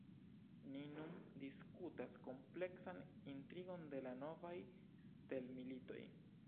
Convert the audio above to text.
Ni nun diskutas kompleksan intrigon de la novaj stelmilitoj